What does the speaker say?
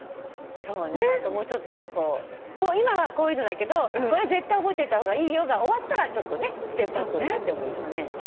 そうね何かもうちょっと今はこういうのだけどこれ絶対覚えといた方がいいよが終わったらちょっとねステップアップしてもいいし。